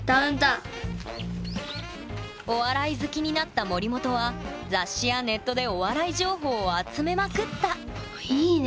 お笑い好きになった森本は雑誌やネットでお笑い情報を集めまくったいいね